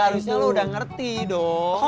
harusnya lo udah ngerti dong